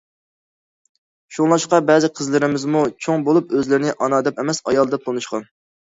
شۇڭلاشقا بەزى قىزلىرىمىزمۇ چوڭ بولۇپ ئۆزلىرىنى ئانا دەپ ئەمەس، ئايال دەپ تونۇشقان.